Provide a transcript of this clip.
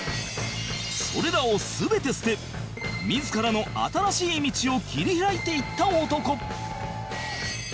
それらを全て捨て自らの新しい道を切り開いていった男